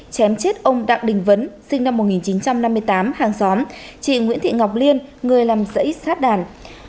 chém chết ông đặng đình vấn sinh năm một nghìn chín trăm năm mươi tám hàng xóm chị nguyễn thị ngọc liên người làm dãy sát đàn